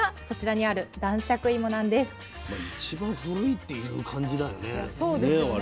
まあ一番古いっていう感じだよね。